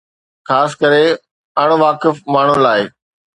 خاص ڪري اڻ واقف ماڻهن لاءِ